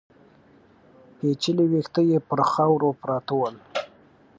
پيچلي ويښته يې پر خاورو پراته ول.